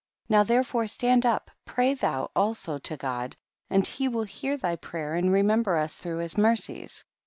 3. Now therefore stand up, pray thou also to God and he will hear thy prayer and remember us through his mercies.